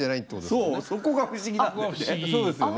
そうそこが不思議なんだよね。